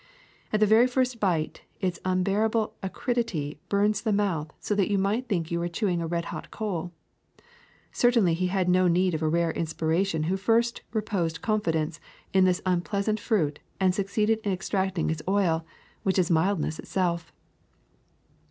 At the very first bite its unbearable acridity bums the mouth so that you might think you were chewing a red hot coal. Certainly he had need of a rare inspiration who first reposed confidence in this unpleasant fruit and suc ceeded in extracting its oil, which is mildness itself.